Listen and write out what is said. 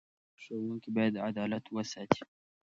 ښوونکي باید عدالت وساتي.